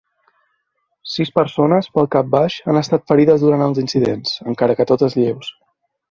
Sis persones, pel capbaix, han estat ferides durant els incidents, encara que totes lleus.